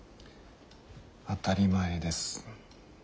当たり前です。